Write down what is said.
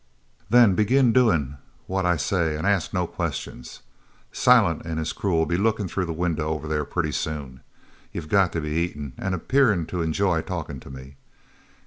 "Then begin by doin' what I say an' ask no questions. Silent an' his crew'll be lookin' through the window over there pretty soon. You got to be eatin' an' appearin' to enjoy talkin' to me.